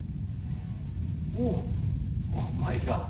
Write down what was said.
おう舞か。